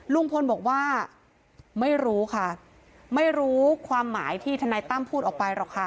ลุงพลบอกว่าไม่รู้ค่ะไม่รู้ความหมายที่ธนายตั้มพูดออกไปหรอกค่ะ